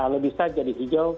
lebih saja di hijau